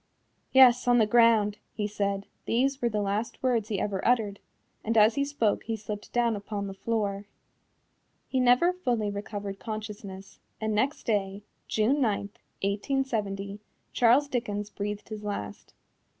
"Yes, on the ground," he said these were the last words he ever uttered and as he spoke he slipped down upon the floor. He never fully recovered consciousness, and next day, June 9, 1870, Charles Dickens breathed his last.